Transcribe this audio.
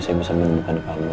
saya bisa menemukan kamu